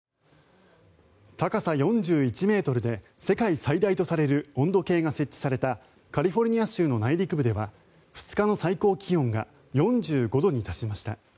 高さ４１ｍで世界最大とされる温度計が設置されたカリフォルニア州の内陸部では２日の最高気温が４５度に達しました。